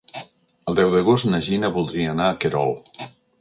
El deu d'agost na Gina voldria anar a Querol.